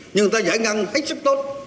nhưng người ta giải ngân hết sức tốt bảy tám